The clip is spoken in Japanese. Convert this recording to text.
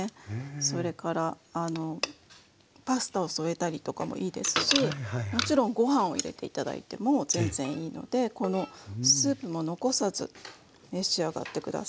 それからパスタを添えたりとかもいいですしもちろんごはんを入れて頂いても全然いいのでこのスープも残さず召し上がって下さい。